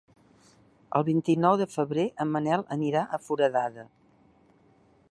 El vint-i-nou de febrer en Manel anirà a Foradada.